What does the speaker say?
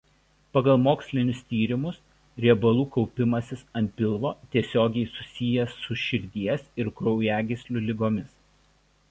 Pagal mokslinius tyrimus riebalų kaupimasis ant pilvo tiesiogiai susijęs su širdies ir kraujagyslių ligomis.